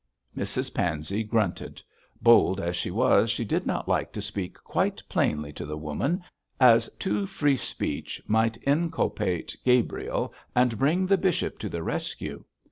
Mrs Pansey grunted. Bold as she was she did not like to speak quite plainly to the woman, as too free speech might inculpate Gabriel and bring the bishop to the rescue.